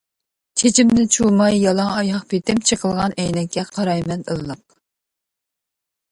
چېچىمنى چۇۋۇماي، يالاڭ ئاياغ پېتىم، چېقىلغان ئەينەككە قارايمەن ئىللىق.